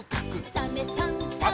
「サメさんサバさん」